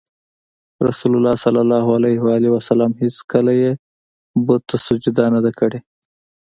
رسول الله ﷺ هېڅکله یې بت ته سجده نه ده کړې.